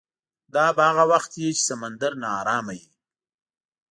دا به هغه وخت وي چې سمندر ناارامه وي.